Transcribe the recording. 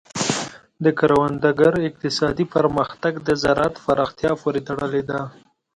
د کروندګر اقتصادي پرمختګ د زراعت پراختیا پورې تړلی دی.